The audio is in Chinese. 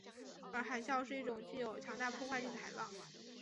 而海啸是一种具有强大破坏力的海浪。